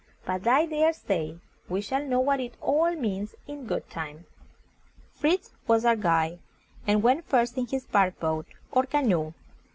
But I dare say we shall know what it all means in good time." Fritz was our guide, and went first in his bark boat, or CA NOE.